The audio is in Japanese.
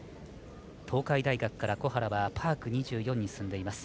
東海大学から小原はパーク２４に進んでいます。